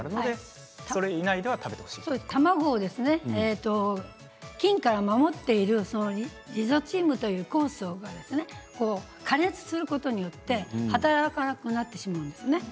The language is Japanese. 卵を菌から守っているリゾチウムという酵素が加熱することによって働かなくなってしまうんですね。